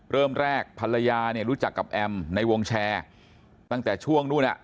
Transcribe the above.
เริ่มแรกภรรยาเนี่ยรู้จักกับแอมในวงแชร์ตั้งแต่ช่วงนู้นอ่ะ